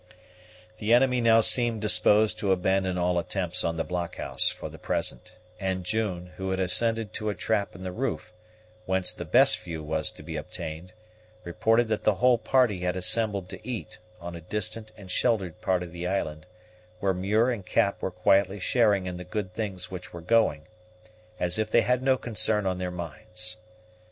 The enemy now seemed disposed to abandon all attempts on the blockhouse for the present; and June, who had ascended to a trap in the roof, whence the best view was to be obtained, reported that the whole party had assembled to eat, on a distant and sheltered part of the island, where Muir and Cap were quietly sharing in the good things which were going, as if they had no concern on their minds.